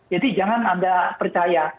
jadi jangan anda percaya